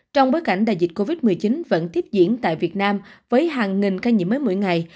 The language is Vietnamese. trong bối cảnh đại dịch covid một mươi chín vẫn tiếp diễn tại việt nam với hàng nghìn ca nhiễm mới mỗi ngày